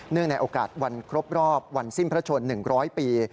ในโอกาสวันครบรอบวันสิ้นพระชน๑๐๐ปี